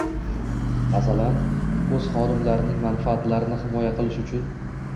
masalan, o‘z xodimlarining manfaatlarini himoya qilish uchun